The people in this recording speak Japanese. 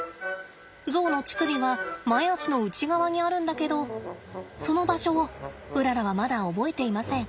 ゾウの乳首は前肢の内側にあるんだけどその場所をうららはまだ覚えていません。